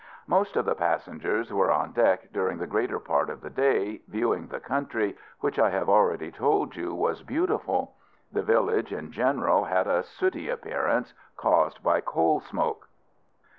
Most of the passengers were on deck during the greater part of the day, viewing the country, which I have already told you was beautiful. The villages, in general, had a sooty appearance, caused by coal smoke.